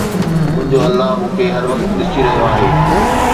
منهنجو الله مون کي هر وقت ڏسي رهيو آهي